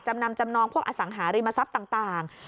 จำนำจำนองพวกอสังหาริมทรัพย์ต่าง